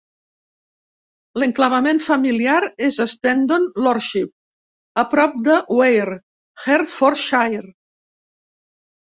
L'enclavament familiar és Standon Lordship, a prop de Ware, Hertfordshire.